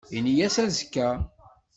Ini-as azekka.